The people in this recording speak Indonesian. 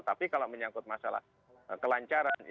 tapi kalau menyangkut masalah kelancaran